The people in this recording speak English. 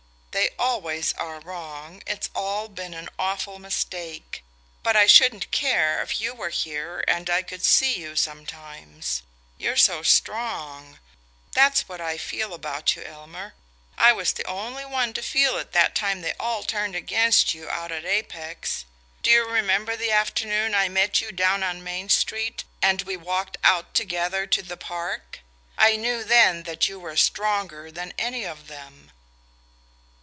"They always are wrong; it's all been an awful mistake. But I shouldn't care if you were here and I could see you sometimes. You're so STRONG: that's what I feel about you, Elmer. I was the only one to feel it that time they all turned against you out at Apex.... Do you remember the afternoon I met you down on Main Street, and we walked out together to the Park? I knew then that you were stronger than any of them...."